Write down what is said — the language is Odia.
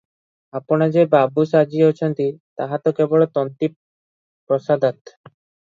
ଆପଣ ଯେ ବାବୁ ସାଜିଅଛନ୍ତି, ତାହା ତ କେବଳ ତନ୍ତୀ ପ୍ରସାଦାତ୍ ।